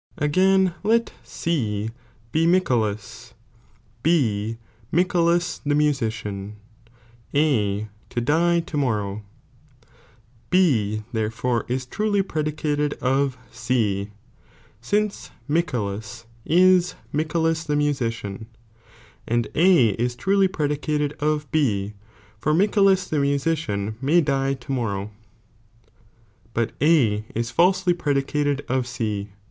Again, let C be Miccalus, B Miccalua the musician, A to die to morrow ; B therefore is truly predicated of C, since Miccalus ia Miccalus the musician, and A ia truly predicated of B, for Miccalus the muaiciao may die to morrow, but A ia falaely predicated of C.